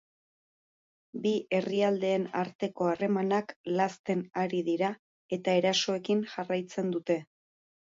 Bi herrialdeen arteko harremanak lazten ari dira eta erasoekin jarraitzen dute.